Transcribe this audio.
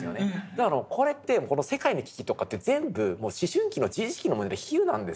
だからこれって世界の危機とかって全部思春期の自意識の比喩なんですよ。